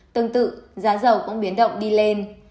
tương tự giá dầu cũng biến động đi lên